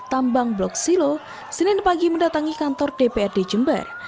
tambang blok silo senin pagi mendatangi kantor dprd jember